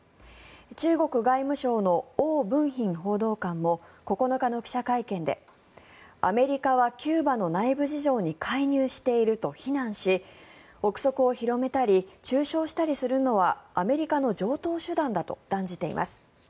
中国外務省のオウ・ブンヒン報道官も９日の記者会見でアメリカはキューバの内部事情に介入していると非難し臆測を広めたり中傷したりするのはアメリカの常とう手段だと断じています。